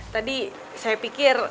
tadi saya pikir